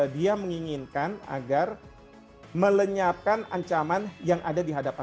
dia menginginkan agar melenyapkan ancaman yang ada di hadapan